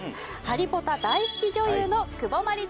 ハリポタ大好き女優の窪真理